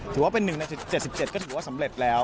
ถือว่าเป็น๑ใน๗๗ก็ถือว่าสำเร็จแล้ว